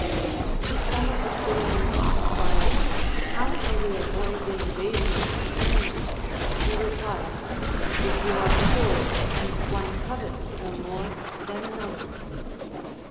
To some of the citizens enquiring, How shall we avoid the invasions of enemies, he replied, If you are poor, and one covets no more than another.